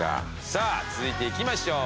さあ続いていきましょう。